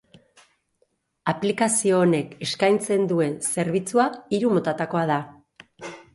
Aplikazio honek eskaintzen duen zerbitzua hiru motatakoa da.